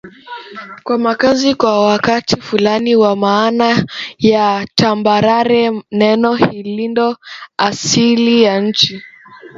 kwa makazi kwa wakati fulani kwa maana ya tambarare Neno hilindo asili ya nchi